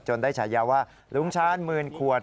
ได้ฉายาว่าลุงชาญหมื่นขวด